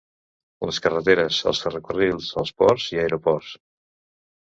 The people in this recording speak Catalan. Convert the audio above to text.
Les carreteres, els ferrocarrils, els ports i aeroports.